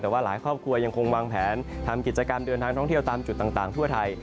แต่ว่าหลายครอบครัวยังคงวางแผนทำกิจกรรมเดินทางท่องเที่ยวตามจุดต่างทั่วไทย